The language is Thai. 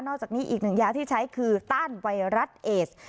จากนี้อีกหนึ่งยาที่ใช้คือต้านไวรัสเอส